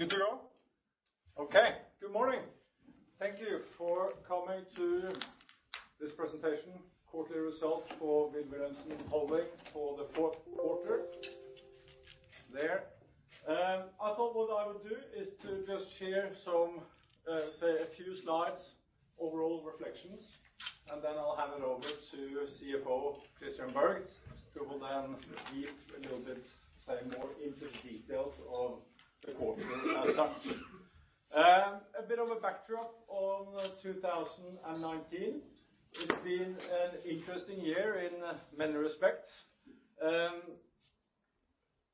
Good to go? Okay. Good morning. Thank you for coming to this presentation, quarterly results for Wilh. Wilhelmsen Holding for the fourth quarter. There. I thought what I would do is to just share a few slides, overall reflections, and then I'll hand it over to CFO Christian Berg, who will then give a little bit more into the details of the quarter as such. A bit of a backdrop on 2019. It's been an interesting year in many respects.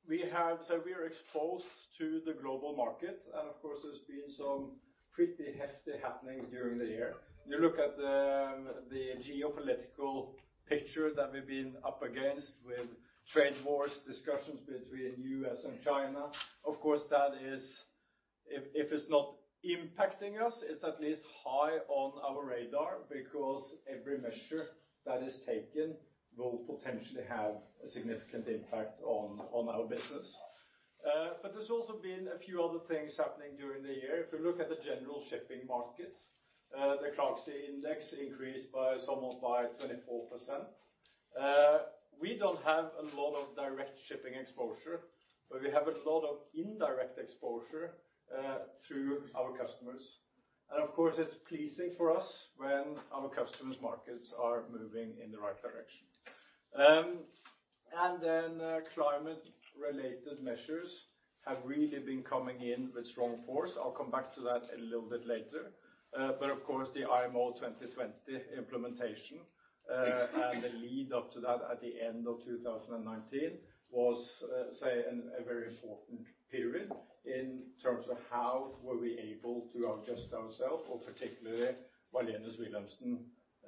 We are exposed to the global market, and of course, there's been some pretty hefty happenings during the year. You look at the geopolitical picture that we've been up against with trade wars, discussions between U.S. and China. Of course, if it's not impacting us, it's at least high on our radar because every measure that is taken will potentially have a significant impact on our business. There's also been a few other things happening during the year. If you look at the general shipping market, the ClarkSea Index increased by somewhat by 24%. We don't have a lot of direct shipping exposure, but we have a lot of indirect exposure through our customers. Of course, it's pleasing for us when our customers' markets are moving in the right direction. Climate-related measures have really been coming in with strong force. I'll come back to that a little bit later. Of course, the IMO 2020 implementation and the lead-up to that at the end of 2019 was a very important period in terms of how were we able to adjust ourselves, or particularly, Wallenius Wilhelmsen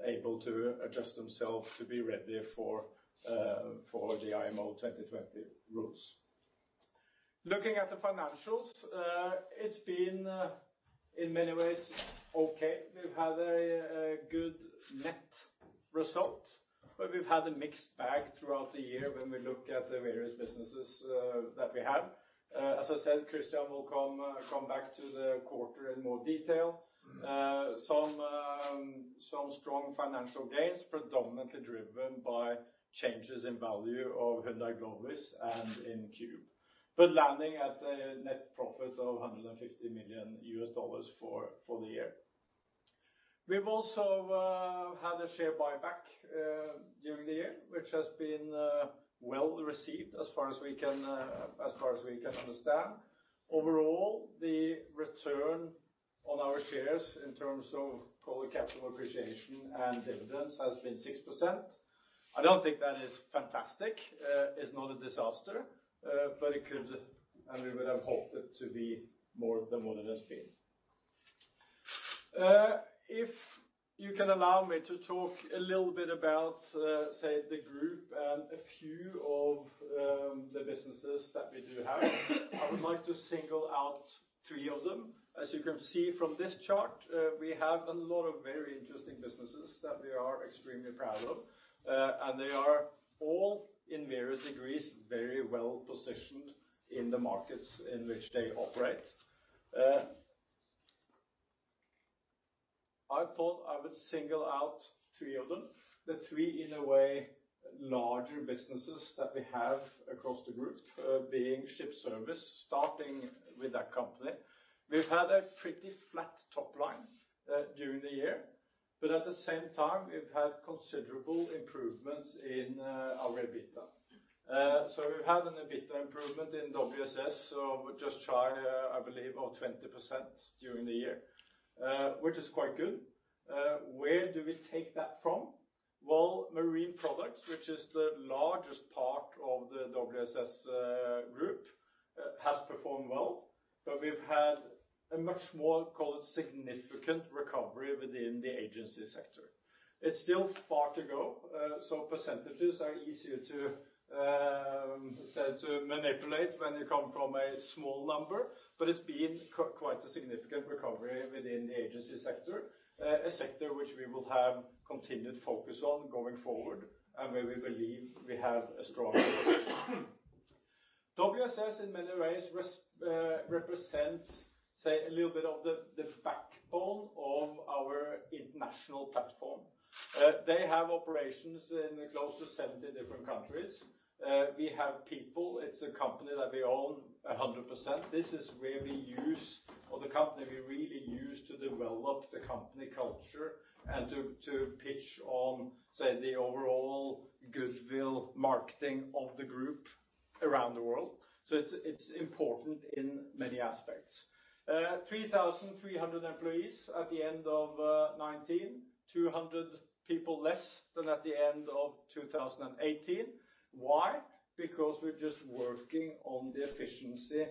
able to adjust themselves to be ready for the IMO 2020 rules. Looking at the financials, it's been in many ways okay. We've had a good net result, but we've had a mixed bag throughout the year when we look at the various businesses that we have. As I said, Christian will come back to the quarter in more detail. Some strong financial gains, predominantly driven by changes in value of Hyundai Glovis and in Qube. Landing at a net profit of $150 million for the year. We've also had a share buyback during the year, which has been well received as far as we can understand. Overall, the return on our shares in terms of called capital appreciation and dividends has been 6%. I don't think that is fantastic. It's not a disaster, but we would have hoped it to be more than what it has been. If you can allow me to talk a little bit about the group and a few of the businesses that we do have, I would like to single out three of them. As you can see from this chart, we have a lot of very interesting businesses that we are extremely proud of, and they are all, in various degrees, very well-positioned in the markets in which they operate. I thought I would single out three of them. The three in a way larger businesses that we have across the group being Ships Service, starting with that company. We've had a pretty flat top line during the year. At the same time, we've had considerable improvements in our EBITDA. We've had an EBITDA improvement in WSS of just shy, I believe, of 20% during the year, which is quite good. Where do we take that from? Well, Marine Products, which is the largest part of the WSS group, has performed well, but we've had a much more significant recovery within the agency sector. It's still far to go, so percentages are easier to manipulate when you come from a small number, but it's been quite a significant recovery within the agency sector. A sector which we will have continued focus on going forward and where we believe we have a strong position. WSS, in many ways, represents a little bit of the backbone of our international platform. They have operations in close to 70 different countries. We have people. It's a company that we own 100%. This is where we use all the company. We really use to develop the company culture and to pitch on the overall goodwill marketing of the group around the world. It's important in many aspects. 3,300 employees at the end of 2019, 200 people less than at the end of 2018. Why? We're just working on the efficiency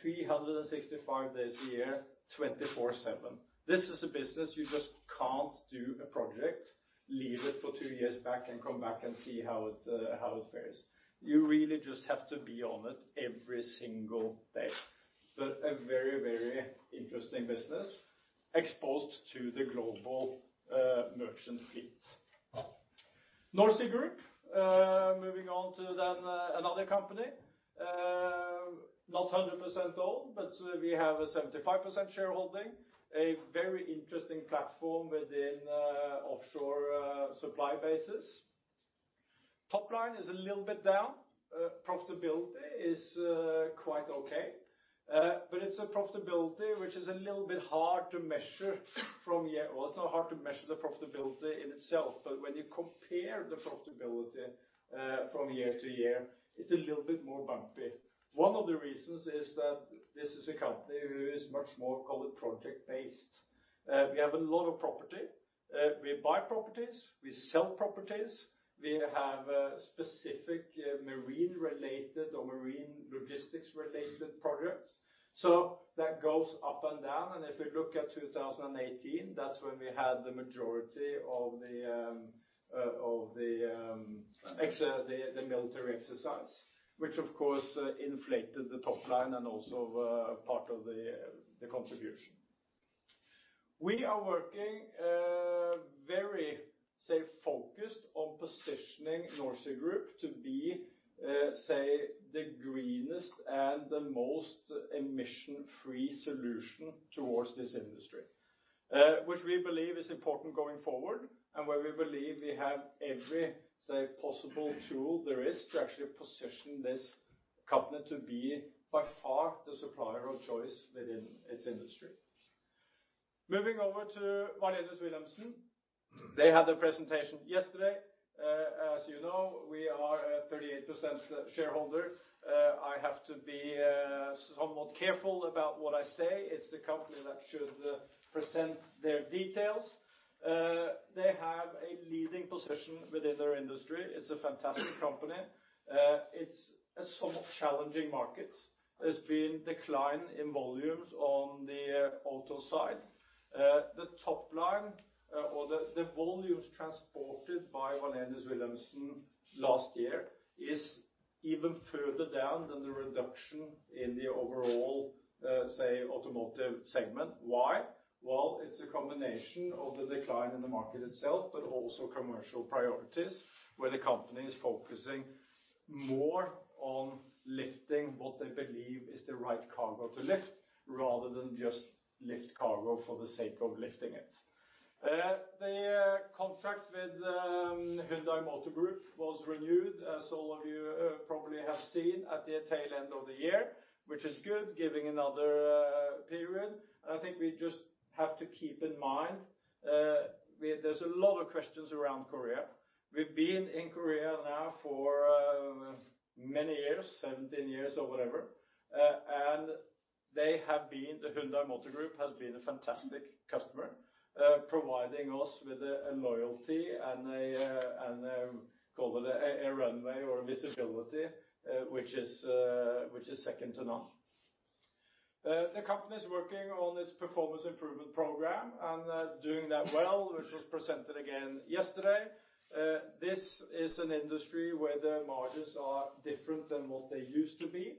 365 days a year, 24/7. This is a business you just can't do a project, leave it for two years back and come back and see how it fares. You really just have to be on it every single day. A very interesting business exposed to the global merchant fleet. NorSea Group, moving on to then another company. Not 100% owned, but we have a 75% shareholding. A very interesting platform within offshore supply bases. Top line is a little bit down. Profitability is quite okay, but it's a profitability which is a little bit hard to measure from year. Well, it's not hard to measure the profitability in itself, but when you compare the profitability from year to year, it's a little bit more bumpy. One of the reasons is that this is a company who is much more, call it project-based. We have a lot of property. We buy properties, we sell properties. We have specific marine-related or marine logistics-related projects. That goes up and down. If we look at 2018, that's when we had the majority of the military exercise, which of course inflated the top line and also part of the contribution. We are working very, say, focused on positioning NorSea Group to be, say, the greenest and the most emission-free solution towards this industry. Which we believe is important going forward, and where we believe we have every, say, possible tool there is to actually position this company to be by far the supplier of choice within its industry. Moving over to Wallenius Wilhelmsen. They had their presentation yesterday. As you know, we are a 38% shareholder. I have to be somewhat careful about what I say. It's the company that should present their details. They have a leading position within their industry. It's a fantastic company. It's a somewhat challenging market. There's been decline in volumes on the auto side. The top line or the volumes transported by Wallenius Wilhelmsen last year is even further down than the reduction in the overall, say, automotive segment. Why? Well, it's a combination of the decline in the market itself, but also commercial priorities, where the company is focusing more on lifting what they believe is the right cargo to lift, rather than just lift cargo for the sake of lifting it. The contract with Hyundai Motor Group was renewed, as all of you probably have seen at the tail end of the year, which is good, giving another period. I think we just have to keep in mind, there's a lot of questions around Korea. We've been in Korea now for many years, 17 years or whatever. The Hyundai Motor Group has been a fantastic customer, providing us with a loyalty and, call it a runway or a visibility, which is second to none. The company is working on its performance improvement program and doing that well, which was presented again yesterday. This is an industry where the margins are different than what they used to be,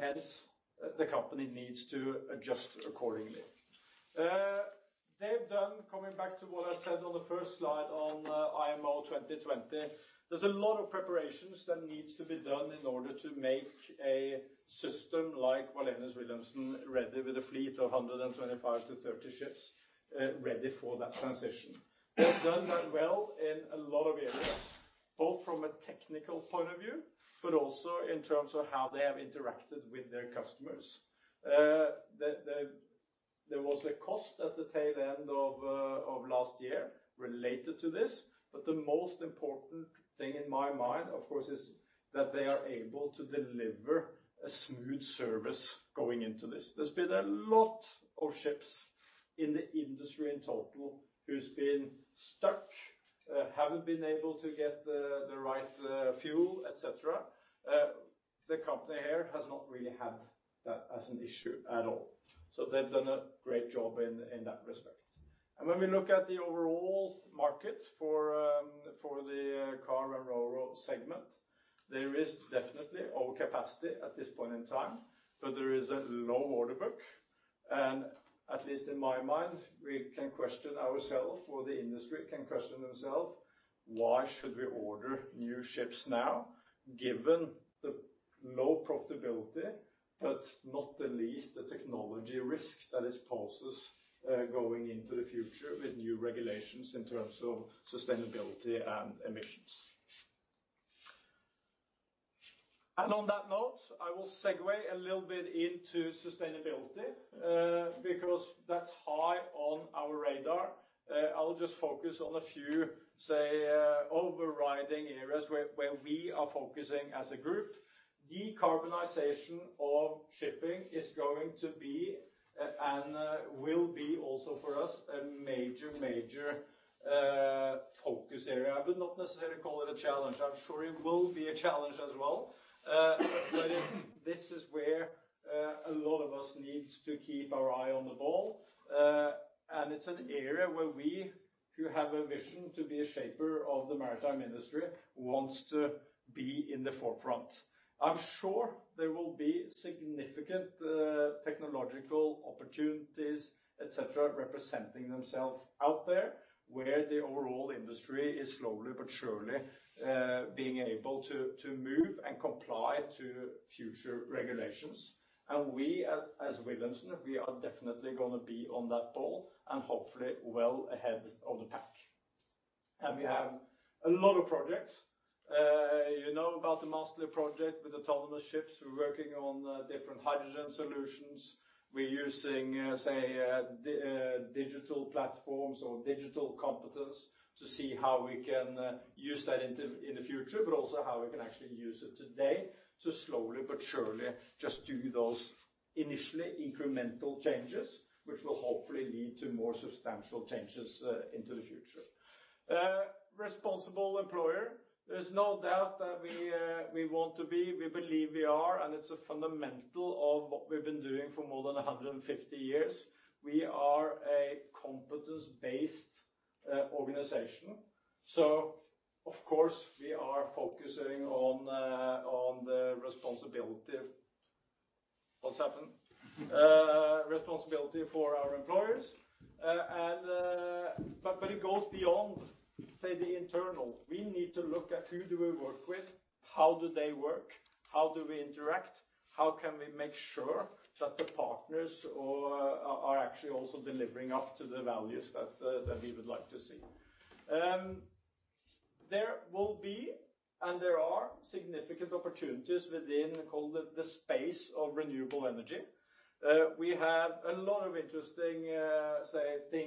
hence the company needs to adjust accordingly. Coming back to what I said on the first slide on IMO 2020, there's a lot of preparations that needs to be done in order to make a system like Wallenius Wilhelmsen ready with a fleet of 125-130 ships, ready for that transition. They've done that well in a lot of areas, both from a technical point of view, also in terms of how they have interacted with their customers. There was a cost at the tail end of last year related to this, the most important thing in my mind, of course, is that they are able to deliver a smooth service going into this. There's been a lot of ships in the industry in total who's been stuck, haven't been able to get the right fuel, et cetera. The company here has not really had that as an issue at all. They've done a great job in that respect. When we look at the overall market for the car and ro-ro segment, there is definitely over capacity at this point in time, but there is a low order book. At least in my mind, we can question ourself, or the industry can question themselves, why should we order new ships now given the low profitability? Not the least, the technology risk that it poses, going into the future with new regulations in terms of sustainability and emissions. On that note, I will segue a little bit into sustainability, because that's high on our radar. I will just focus on a few, say, overriding areas where we are focusing as a group. Decarbonization of shipping is going to be and will be also for us a major focus area. I would not necessarily call it a challenge. I'm sure it will be a challenge as well. This is where a lot of us needs to keep our eye on the ball. It's an area where we, who have a vision to be a shaper of the maritime industry, want to be in the forefront. I'm sure there will be significant technological opportunities, et cetera, representing themselves out there, where the overall industry is slowly but surely being able to move and comply to future regulations. We, as Wilhelmsen, we are definitely going to be on that ball and hopefully well ahead of the pack. We have a lot of projects. You know about the Massterly project with autonomous ships. We're working on different hydrogen solutions. We're using digital platforms or digital competence to see how we can use that in the future, but also how we can actually use it today to slowly but surely just do those initially incremental changes, which will hopefully lead to more substantial changes into the future. Responsible employer. There's no doubt that we want to be, we believe we are, and it's a fundamental of what we've been doing for more than 150 years. We are a competence-based organization. Of course, we are focusing on the responsibility. What's happened? Responsibility for our employers. It goes beyond, say, the internal. We need to look at who do we work with, how do they work, how do we interact, how can we make sure that the partners are actually also delivering up to the values that we would like to see? There will be and there are significant opportunities within, call it, the space of renewable energy. We have a lot of interesting things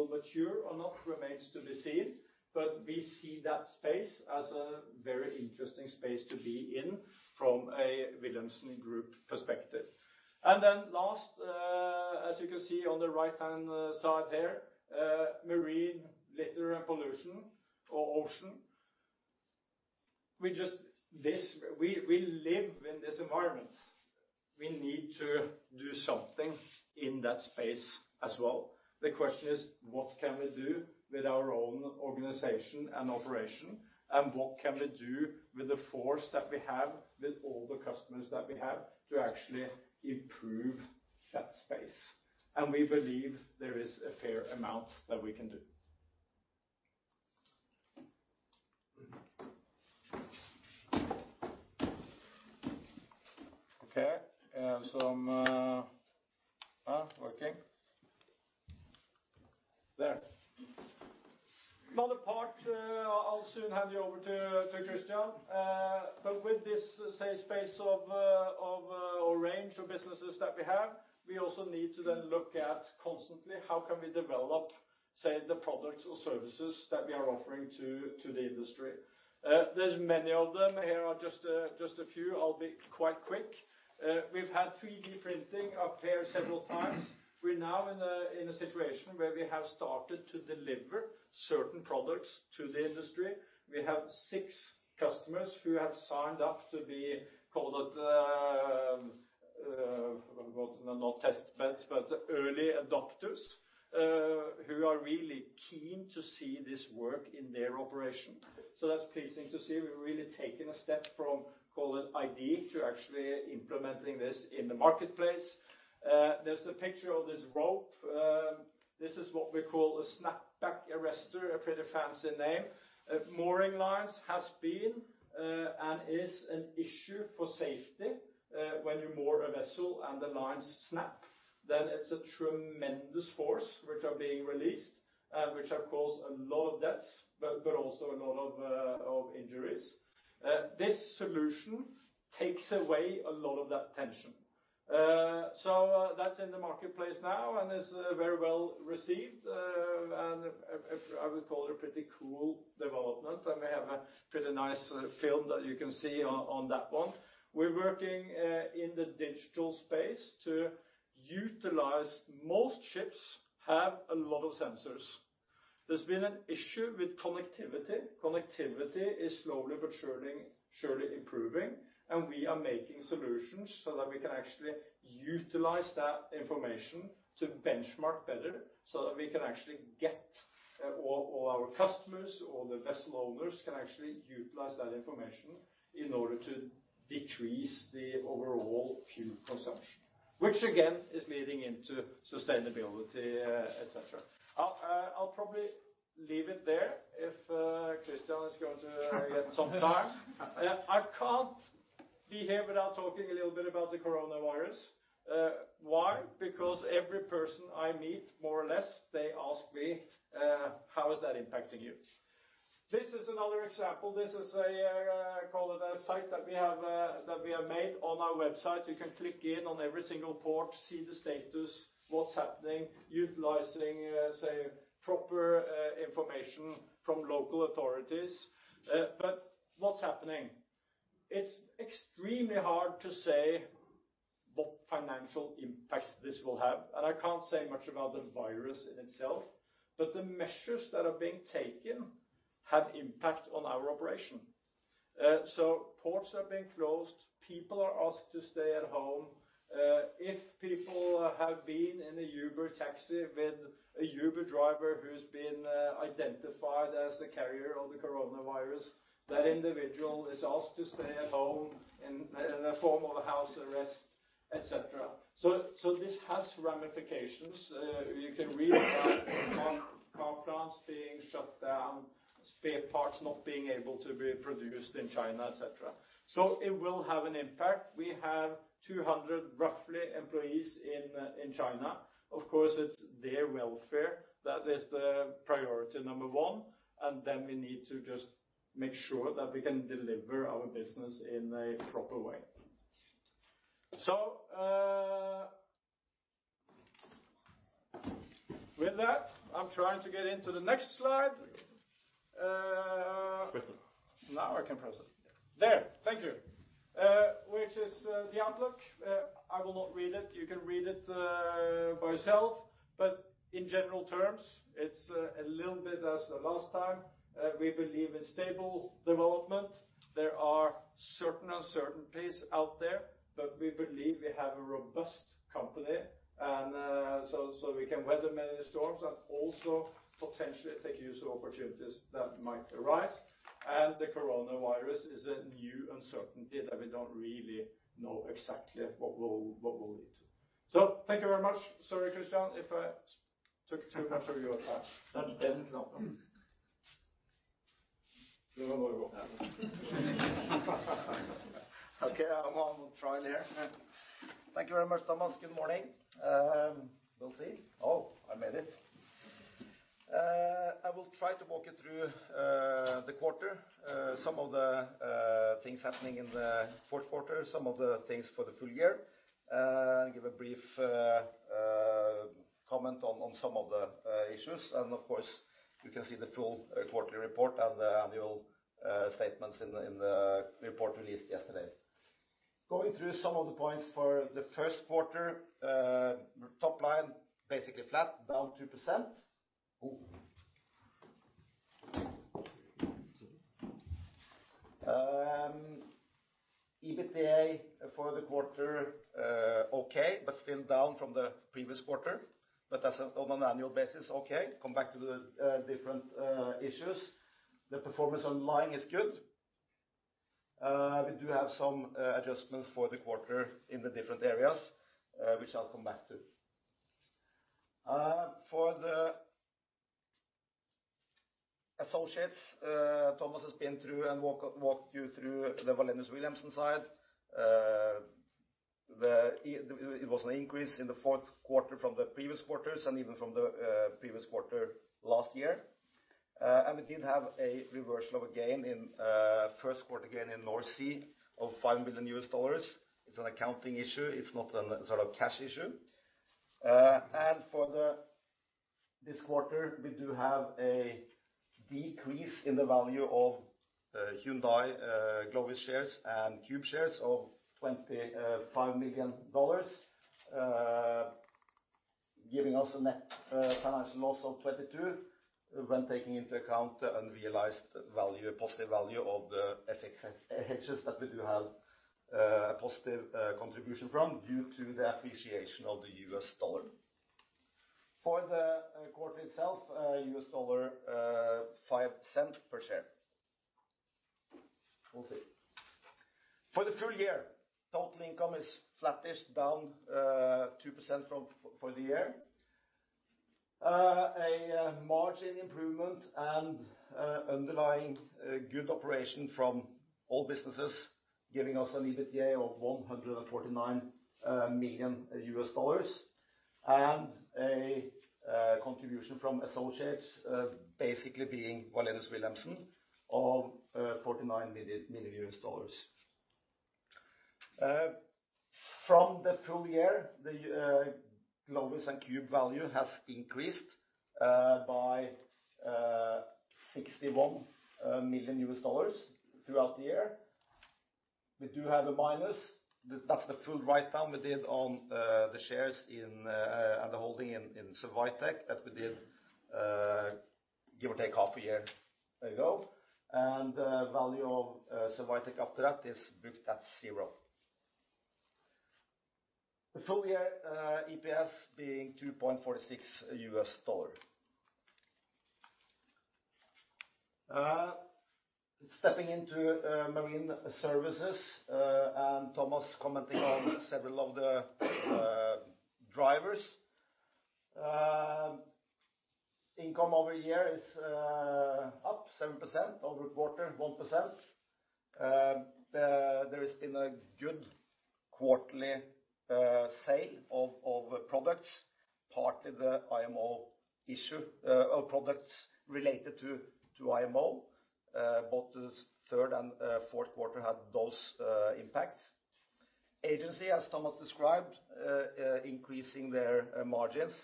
going on. Whether they will mature or not remains to be seen, but we see that space as a very interesting space to be in from a Wilhelmsen Group perspective. Last, as you can see on the right-hand side there, marine litter and pollution or ocean. We live in this environment. We need to do something in that space as well. The question is, what can we do with our own organization and operation, and what can we do with the force that we have with all the customers that we have to actually improve that space? We believe there is a fair amount that we can do. Okay. Working. There. Another part, I'll soon hand you over to Christian. With this range of businesses that we have, we also need to then look at constantly how can we develop the products or services that we are offering to the industry. There's many of them. Here are just a few. I'll be quite quick. We've had 3D printing up here several times. We're now in a situation where we have started to deliver certain products to the industry. We have six customers who have signed up to be, call it, not testbeds, but early adopters who are really keen to see this work in their operation. That's pleasing to see. We've really taken a step from, call it, idea to actually implementing this in the marketplace. There's a picture of this rope. This is what we call a snap-back arrestor, a pretty fancy name. Mooring lines has been and is an issue for safety. When you moor a vessel and the lines snap, it's a tremendous force which are being released, which have caused a lot of deaths, but also a lot of injuries. This solution takes away a lot of that tension. That's in the marketplace now and is very well received, and I would call it a pretty cool development. We have a pretty nice film that you can see on that one. We're working in the digital space to utilize most ships have a lot of sensors. There's been an issue with connectivity. Connectivity is slowly but surely improving. We are making solutions so that we can actually utilize that information to benchmark better so that all our customers or the vessel owners can actually utilize that information in order to decrease the overall fuel consumption. Which again, is leading into sustainability, et cetera. I'll probably leave it there if Christian is going to get some time. I can't be here without talking a little bit about the coronavirus. Why? Every person I meet, more or less, they ask me, "How is that impacting you?" This is another example. This is a site that we have made on our website. You can click in on every single port, see the status, what's happening, utilizing proper information from local authorities. What's happening? It's extremely hard to say what financial impact this will have, and I can't say much about the virus in itself, but the measures that are being taken have impact on our operation. Ports have been closed. People are asked to stay at home. If people have been in an Uber taxi with a Uber driver who has been identified as a carrier of the coronavirus, that individual is asked to stay at home in a form of house arrest, et cetera. This has ramifications. You can read about car plants being shut down, spare parts not being able to be produced in China, et cetera. It will have an impact. We have 200, roughly, employees in China. Of course, it is their welfare that is the priority number one, and then we need to just make sure that we can deliver our business in a proper way. With that, I am trying to get into the next slide. Press it. Now I can press it. There. Thank you. Which is the outlook. I will not read it. You can read it by yourself, but in general terms, it's a little bit as last time. We believe in stable development. There are certain uncertainties out there, but we believe we have a robust company. We can weather many storms and also potentially take use of opportunities that might arise. The coronavirus is a new uncertainty that we don't really know exactly what will lead. Thank you very much. Sorry, Christian, if I took too much of your time. That's okay. Okay. I'm on trial here. Thank you very much, Thomas. Good morning. We'll see. I made it. I will try to walk you through the quarter. Some of the things happening in the fourth quarter, some of the things for the full year. Give a brief comment on some of the issues, and of course, you can see the full quarterly report and the annual statements in the report released yesterday. Going through some of the points for the first quarter. Top line, basically flat, down 2%. Oh. EBITDA for the quarter, okay, but still down from the previous quarter. That's on an annual basis, okay. Come back to the different issues. The performance underlying is good. We do have some adjustments for the quarter in the different areas, which I'll come back to. For the associates, Thomas has been through and walked you through the Wallenius Wilhelmsen side. It was an increase in the fourth quarter from the previous quarters and even from the previous quarter last year. We did have a reversal of a gain in first quarter gain in NorSea of $5 million. It's an accounting issue. It's not a sort of cash issue. For this quarter, we do have a decrease in the value of Hyundai Glovis shares and Qube shares of $25 million, giving us a net finance loss of $22 million when taking into account unrealized value, positive value of the FX hedges that we do have a positive contribution from due to the appreciation of the U.S. dollar. For the quarter itself, $0.05 per share. We'll see. For the full year, total income is flattish, down 2% for the year. A margin improvement and underlying good operation from all businesses, giving us an EBITDA of $149 million. A contribution from associates basically being Wallenius Wilhelmsen of $49 million. From the full year, the Glovis and Qube value has increased by $61 million throughout the year. We do have a minus. That's the full write-down we did on the shares and the holding in Cervitec that we did, give or take half a year ago. The value of Cervitec after that is booked at zero. The full year EPS being $2.46. Stepping into Marine Services, and Thomas commenting on several of the drivers. Income year-over-year is up 7%, quarter-over-quarter, 1%. There has been a good quarterly sale of products, partly the IMO issue of products related to IMO. Both the third and fourth quarter had those impacts. Agency, as Thomas described increasing their margins,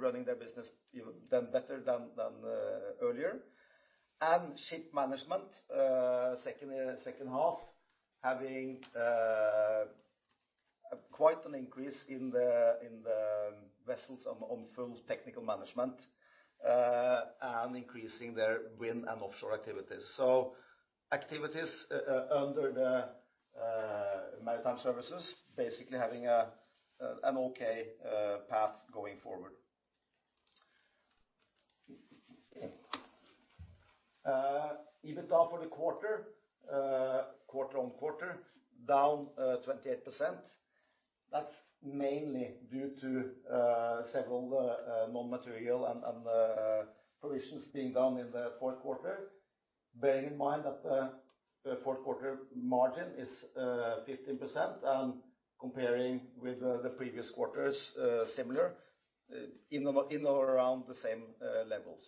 running their business even better than earlier. Ship management second half having quite an increase in the vessels on full technical management and increasing their wind and offshore activities. Activities under the Maritime Services, basically having an okay path going forward. EBITDA for the quarter-on-quarter, down 28%. That's mainly due to several non-material and provisions being done in the fourth quarter. Bearing in mind that the fourth quarter margin is 15% and comparing with the previous quarters, similar in or around the same level.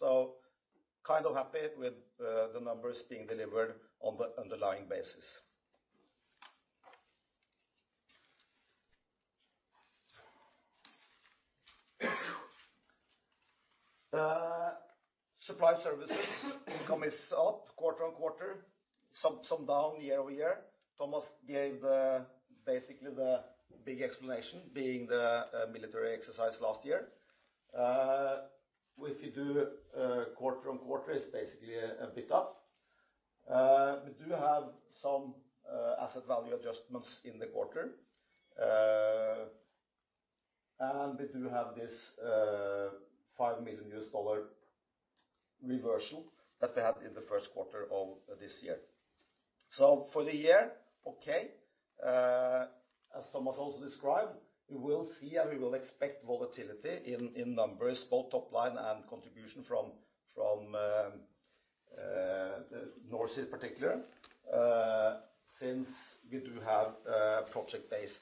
Happy with the numbers being delivered on the underlying basis. Supply Services income is up quarter-on-quarter, some down year-over-year. Thomas gave basically the big explanation being the military exercise last year. If you do quarter-on-quarter, it's basically a bit up. We do have some asset value adjustments in the quarter. We do have this $5 million reversal that we had in the first quarter of this year. For the year, okay, as Thomas also described, we will see and we will expect volatility in numbers, both top line and contribution from NorSea in particular, since we do have a project-based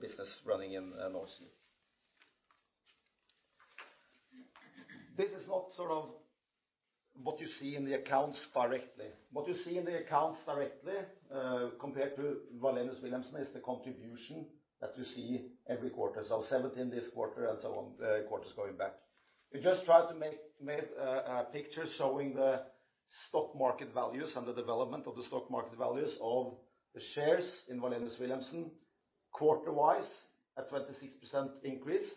business running in NorSea. This is not sort of what you see in the accounts directly. What you see in the accounts directly compared to Wallenius Wilhelmsen is the contribution that you see every quarter. 17 this quarter and so on, quarters going back. We just tried to make a picture showing the stock market values and the development of the stock market values of the shares in Wallenius Wilhelmsen. Quarter-wise, a 26% increase.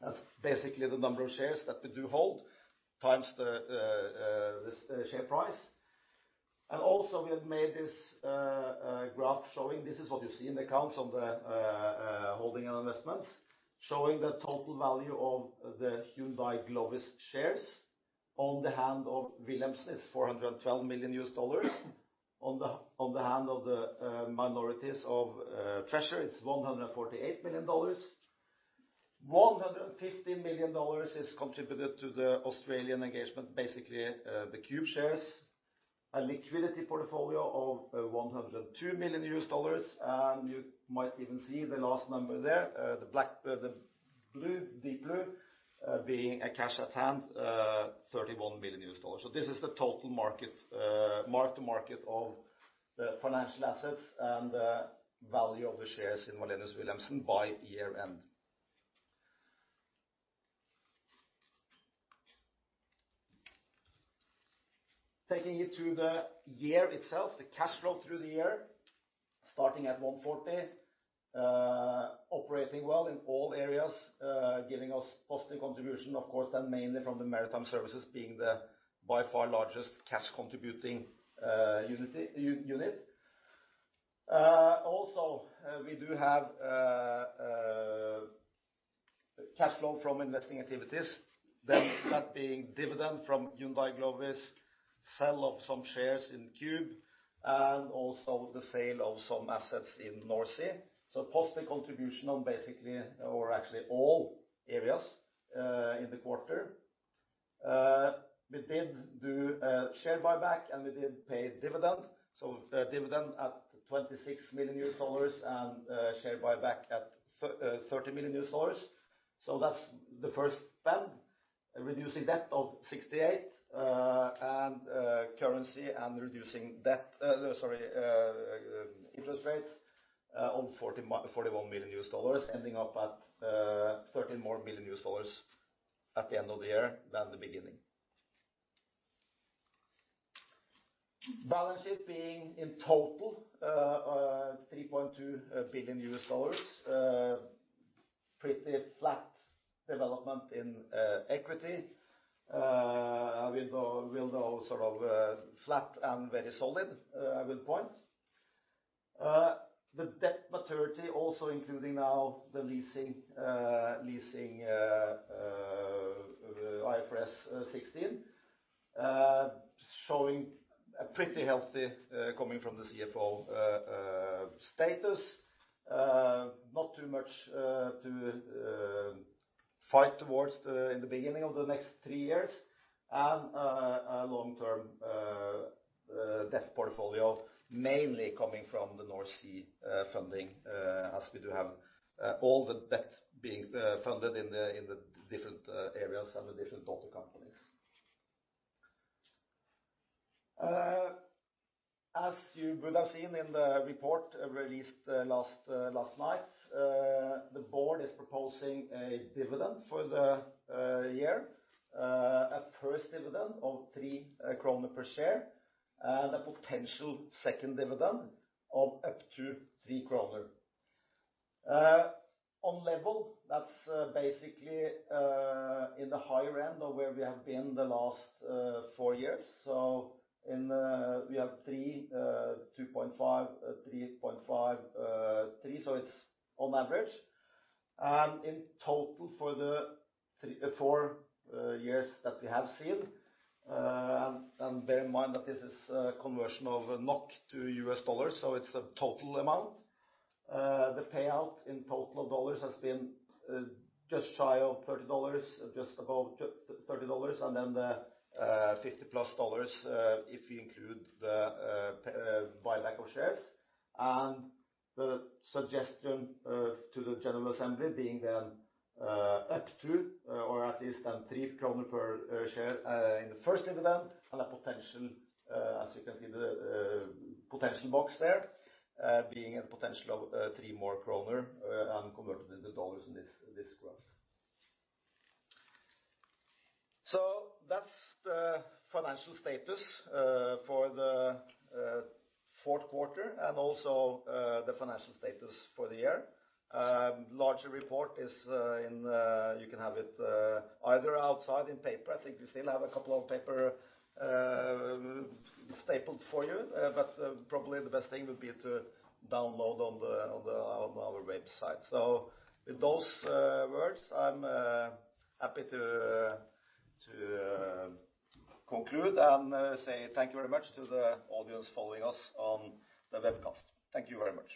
That's basically the number of shares that we do hold times the share price. Also we have made this graph showing this is what you see in the accounts on the holding and investments, showing the total value of the Hyundai Glovis shares on the hand of Wilh. Wilhelmsen Holding is $412 million. On the hand of the minorities of Treasure, it's $148 million. $150 million is contributed to the Australian engagement. Basically, the Qube shares a liquidity portfolio of $102 million. You might even see the last number there, the deep blue being a cash at hand, $31 million. This is the total mark to market of the financial assets and the value of the shares in Wallenius Wilhelmsen by year-end. Taking it to the year itself, the cash flow through the year, starting at $140, operating well in all areas, giving us positive contribution, of course, and mainly from the Maritime Services being the, by far, largest cash contributing unit. Also, we do have cash flow from investing activities, that being dividend from Hyundai Glovis, sale of some shares in Qube, and also the sale of some assets in NorSea. Positive contribution on basically or actually all areas in the quarter. We did do a share buyback, and we did pay dividend. Dividend at $26 million and share buyback at $30 million. That's the first spend. Reducing debt of $68 million and currency and reducing interest rates on $41 million, ending up at 13 more million dollars at the end of the year than the beginning. Balance sheet being in total $3.2 billion. Pretty flat development in equity. I will go sort of flat and very solid, I will point. The debt maturity also including now the leasing IFRS 16 showing a pretty healthy coming from the CFO status. Not too much to fight towards in the beginning of the next three years and a long-term debt portfolio mainly coming from the NorSea funding, as we do have all the debt being funded in the different areas and the different daughter companies. As you would have seen in the report released last night. Board is proposing a dividend for the year. A first dividend of NOK three per share, and a potential second dividend of up to NOK three. On level, that's basically in the higher end of where we have been the last four years. We have NOK three, 2.5, 3.5, NOK three. It's on average. In total for the four years that we have seen, and bear in mind that this is a conversion of NOK to U.S. dollars, so it's the total amount. The payout in total dollars has been just above $30, and then the $50+ if you include the buyback of shares. The suggestion to the general assembly being then up to or at least NOK three per share in the first dividend and, as you can see the potential box there, being a potential of NOK three more and converted into dollars in this graph. That's the financial status for the fourth quarter and also the financial status for the year. Larger report, you can have it either outside in paper. I think we still have a couple of paper stapled for you, but probably the best thing would be to download on our website. With those words, I'm happy to conclude and say thank you very much to the audience following us on the webcast. Thank you very much.